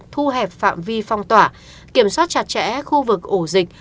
thu hẹp phạm vi phong tỏa kiểm soát chặt chẽ khu vực ổ dịch